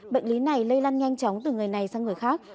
bệnh lý này lây lan nhanh chóng từ người này sang người khác